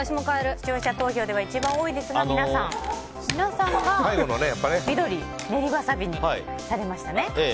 視聴者投票では一番多いですが皆さんが緑、練りワサビにされましたね。